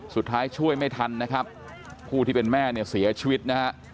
ช่วยไม่ทันนะครับผู้ที่เป็นแม่เนี่ยเสียชีวิตนะฮะ